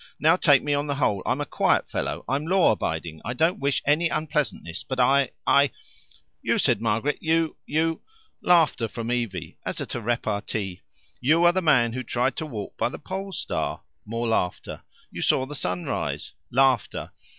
Now, take me on the whole, I'm a quiet fellow: I'm law abiding, I don't wish any unpleasantness; but I I " "You," said Margaret "you you " Laughter from Evie, as at a repartee. "You are the man who tried to walk by the Pole Star." More laughter. "You saw the sunrise." Laughter.